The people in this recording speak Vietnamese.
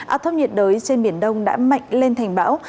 áp thấp nhiệt đới trên biển đông đã mạnh lên thành bão